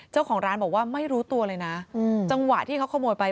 เจ้าของร้านบอกว่าไม่รู้ตัวเลยนะจังหวะที่เขาขโมยไป